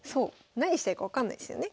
何したいか分かんないですよね。